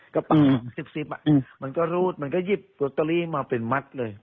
กระเป๋าซิบมันก็รูดมันก็หยิบลอตเตอรี่มาเป็นมัดเลย